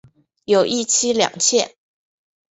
有一妻两妾。